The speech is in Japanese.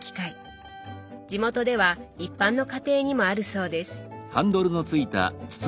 地元では一般の家庭にもあるそうです。